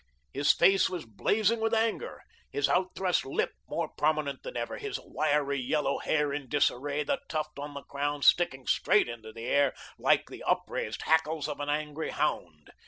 His face was blazing with anger, his outthrust lip more prominent than ever, his wiry, yellow hair in disarray, the tuft on the crown sticking straight into the air like the upraised hackles of an angry hound.